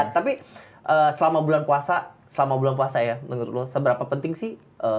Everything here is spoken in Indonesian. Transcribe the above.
tapi selama bulan puasa selama bulan puasa ya menurut lo seberapa penting sih